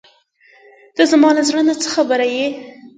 ته زما له زړۀ څه خبر یې.